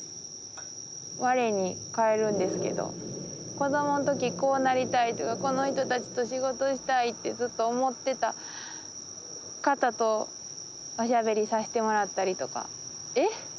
子供の時こうなりたいとかこの人たちと仕事したいってずっと思ってた方とおしゃべりさせてもらったりとか「え！